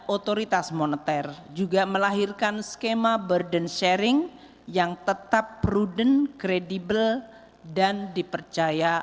otoritas moneter juga melahirkan skema burden sharing yang tetap prudent kredibel dan dipercaya